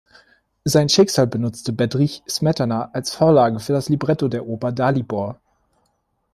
Sein Schicksal benutzte Bedřich Smetana als Vorlage für das Libretto der Oper "Dalibor".